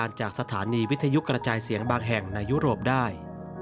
และรับสัญญาณจากสถานีวิทยุกระจายเสียงบางแห่งในยุโรปได้